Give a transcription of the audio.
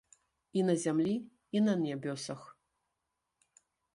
І на зямлі і на нябёсах.